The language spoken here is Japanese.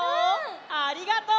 ありがとう！